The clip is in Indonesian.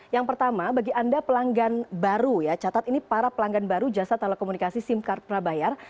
yang pertama bagi anda pelanggan baru ya catat ini para pelanggan baru jasa telekomunikasi sim card prabayar